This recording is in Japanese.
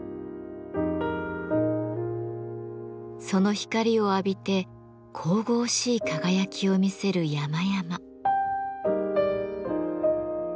その光を浴びて神々しい輝きを見せる山々。